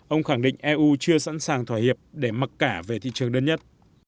ông khẳng định eu chưa sẵn sàng thỏa hiệp để mặc cả về thị trường đơn nhất